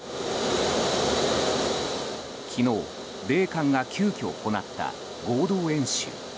昨日、米韓が急きょ行った合同演習。